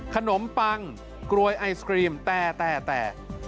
ขนมปังกรวยไอศครีมแต่แต่